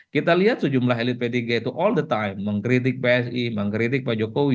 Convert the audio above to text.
kita lihat sejumlah elit p tiga itu all the time mengkritik psi mengkritik pak jokowi